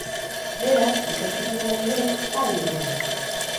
Beraz, etorkizunean ere, adi egon!